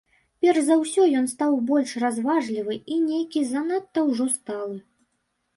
Перш за ўсё ён стаў больш разважлівы і нейкі занадта ўжо сталы.